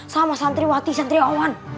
sama santri wati santri awan